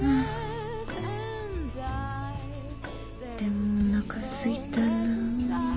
でもおなかすいたなぁ。